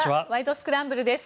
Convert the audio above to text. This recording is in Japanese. スクランブル」です。